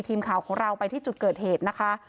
ทีมข่าวของเราไปที่จุดเกิดเหตุนะคะ